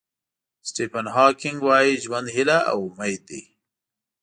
سټیفن هاکینګ وایي ژوند هیله او امید دی.